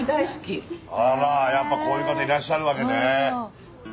あらやっぱこういう方いらっしゃるわけね。